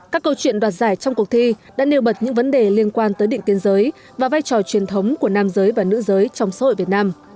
các câu chuyện đoạt giải trong cuộc thi đã nêu bật những vấn đề liên quan tới định kiên giới và vai trò truyền thống của nam giới và nữ giới trong xã hội việt nam